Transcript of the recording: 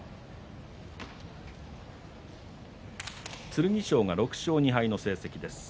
剣翔は６勝２敗の成績です。